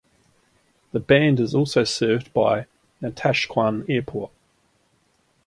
The band is also served by Natashquan Airport.